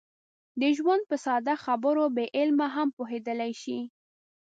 د ژوند په ساده خبرو بې علمه هم پوهېدلی شي.